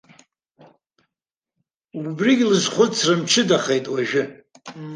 Убригьы лызхәыцра мчыдахеит уажәы.